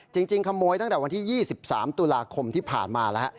จริงขโมยตั้งแต่วันที่๒๓ตุลาคมที่ผ่านมาแล้ว